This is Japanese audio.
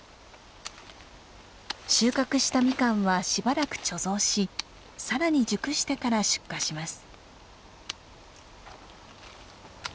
収穫したミカンはしばらく貯蔵しさらに熟してから出荷します。